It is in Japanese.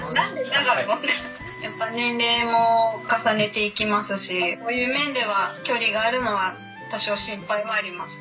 「やっぱ年齢も重ねていきますしそういう面では距離があるのは多少心配はあります」